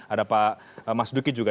ada pak mas duki juga